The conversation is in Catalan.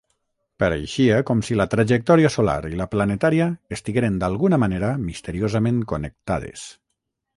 Pareixia com si la trajectòria solar i la planetària estigueren d'alguna manera misteriosament connectades.